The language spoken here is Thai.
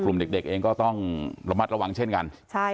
เด็กเองก็ต้องระมัดระวังเช่นกัน